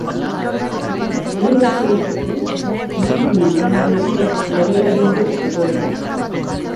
Elurra kentzeko makinen lanari esker, hobera egin du egoerak.